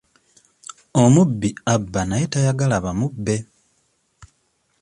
Omubbi abba naye ye tayagala bamubbe.